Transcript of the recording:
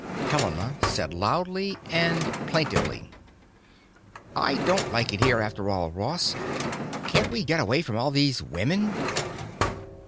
Helena said loudly and plaintively: "I don't like it here after all, Ross. Can't we get away from all these women?"